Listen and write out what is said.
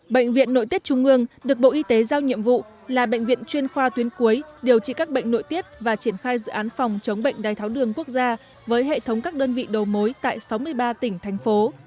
bệnh viện nội tiết trung ương được bộ y tế giao nhiệm vụ là bệnh viện chuyên khoa tuyến cuối điều trị các bệnh nội tiết và triển khai dự án phòng chống bệnh đai tháo đường quốc gia với hệ thống các đơn vị đầu mối tại sáu mươi ba tỉnh thành phố